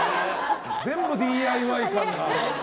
全部ＤＩＹ感が。